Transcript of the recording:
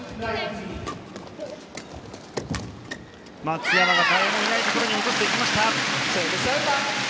松山が誰もいないところに落としました。